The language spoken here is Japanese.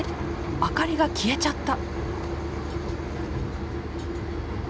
明かりが消えちゃった。